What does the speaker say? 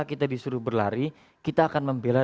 kita disuruh berlari kita akan membela